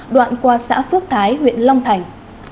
đoạn qua xã phước thái huyện long thành